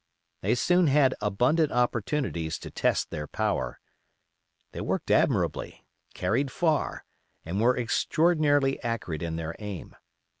They soon had abundant opportunities to test their power. They worked admirably, carried far, and were extraordinarily accurate in their aim.